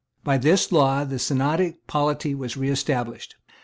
By this law the synodical polity was reestablished.